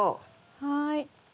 はい。